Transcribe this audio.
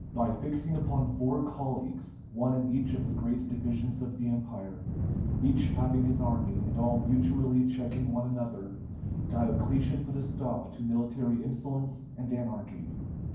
By fixing upon four colleagues, one in each of the great divisions of the Empire, each having his army, and all mutually checking one another, Diocletian put a stop to military insolence and anarchy.